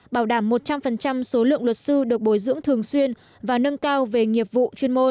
bảo đảm một trăm linh số lượng luật sư được bồi dưỡng thường xuyên và nâng cao về nghiệp vụ chuyên môn